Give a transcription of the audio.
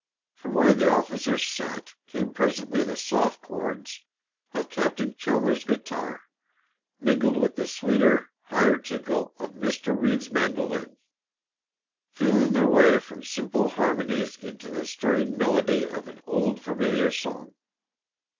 From where the officers sat came presently the soft chords of Captain Chalmers's guitar mingled with the sweeter, higher tinkle of Mr. Reed's mandolin, feeling their way from simple harmonies into the stirring melody of an old, familiar song.